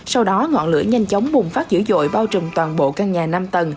sau đó ngọn lửa nhanh chóng bùng phát dữ dội bao trùm toàn bộ căn nhà năm tầng